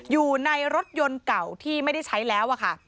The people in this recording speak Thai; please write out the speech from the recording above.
อยู่ในรถยนต์เก่าที่ไม่ได้ใช้แล้วค่ะ